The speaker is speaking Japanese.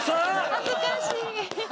恥ずかしい。